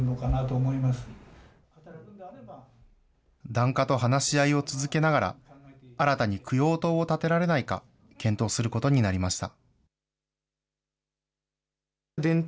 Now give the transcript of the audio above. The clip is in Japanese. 檀家と話し合いを続けながら、新たに供養塔を建てられないか、検討することになりました。